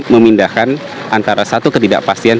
memindahkan antara satu ketidakpastian